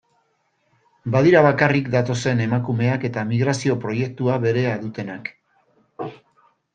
Badira bakarrik datozen emakumeak eta migrazio proiektua berea dutenak.